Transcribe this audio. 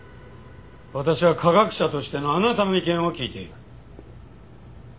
私は科学者としてのあなたの意見を聞いている。